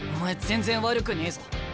全然悪くねえぞ。